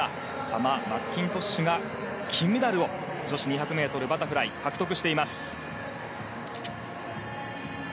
サマー・マッキントッシュが金メダルを女子２００ｍバタフライ獲得しています。